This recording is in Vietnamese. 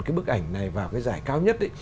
cái bức ảnh này vào cái giải cao nhất